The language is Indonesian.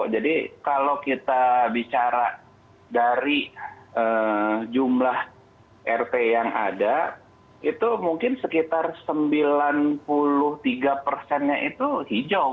jadi kalau kita bicara dari jumlah rt yang ada itu mungkin sekitar sembilan puluh tiga persennya itu hijau